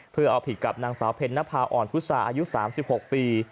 เพื่อเอาผิดกับนางสาวเพ็ญนภาอ่อนพุษาอายุ๓๖ปี